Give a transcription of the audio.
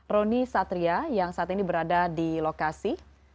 roni satria yang saat ini berada di lokasi